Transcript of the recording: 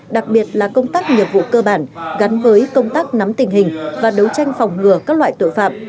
đặc biệt là công tác nhiệm vụ cơ bản gắn với công tác nắm tình hình và đấu tranh phòng ngừa các loại tội phạm